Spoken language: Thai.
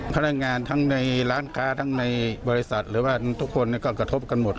พนักงานทั้งในร้านค้าทั้งในบริษัทหรือว่าทุกคนก็กระทบกันหมด